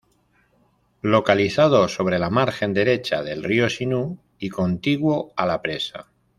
Localizado sobre la margen derecha del Río Sinú y contiguo a la presa.